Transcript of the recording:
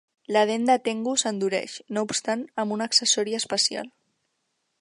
La dent de tengu s'endureix, no obstant, amb un accessori especial.